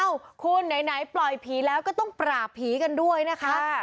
คุณไหนปล่อยผีแล้วก็ต้องปราบผีกันด้วยนะคะ